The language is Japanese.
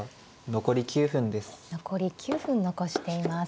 残り９分残しています。